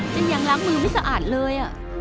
ยังล้างมือไม่สะอาดเลย